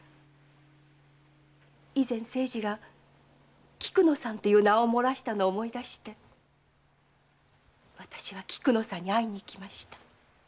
以前清次が“菊乃さん”という名を漏らしたのを思い出して私は菊乃さんに会いに行きました。